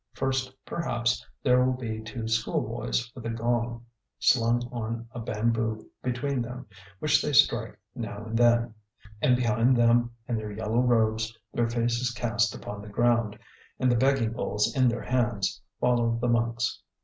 First, perhaps, there will be two schoolboys with a gong slung on a bamboo between them, which they strike now and then. And behind them, in their yellow robes, their faces cast upon the ground, and the begging bowls in their hands, follow the monks.